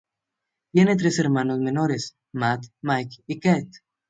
Tiene tres hermanos menores, Matt, Mike y Katie.